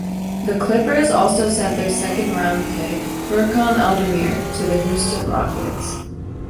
The Clippers also sent their second round pick Furkan Aldemir to the Houston Rockets.